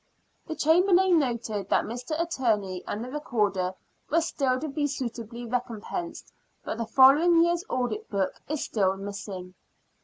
The Chamberlain noted that Mr. Attorney and the Recorder were still to be suitably recom pensed, but the following year's audit book is missing.